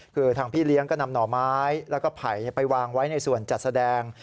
คือทางพี่เลี้ยงก็นำหน่อไม้แล้วก็ไผ่ไปวางไว้ในส่วนจัดแสดง